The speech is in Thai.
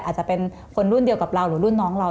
อาจจะเป็นคนรุ่นเดียวกับเราหรือรุ่นน้องเรา